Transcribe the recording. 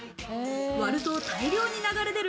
割ると大量に流れ出る